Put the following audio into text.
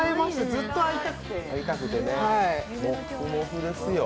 ずっと会いたくて。